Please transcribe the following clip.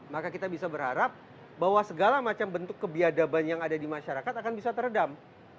maka kita bisa berharap bahwa segala macam bentuk kebiadaban yang ada di masyarakat akan bisa teredam